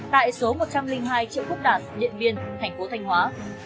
tại số một trăm linh hai triệu khúc đạt địa biên thành phố thanh hóa